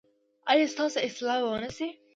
ایا ستاسو اصلاح به و نه شي؟